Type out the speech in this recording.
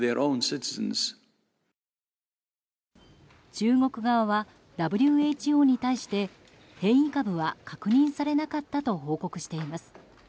中国側はＷＨＯに対して変異株は確認されなかったと報告しています。